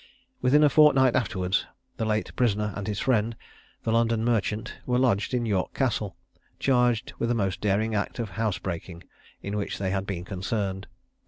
Within a fortnight afterwards, the late prisoner and his friend, the London merchant, were lodged in York Castle, charged with a most daring act of housebreaking, in which they had been concerned.